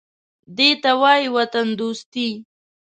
_دې ته وايي وطندوستي.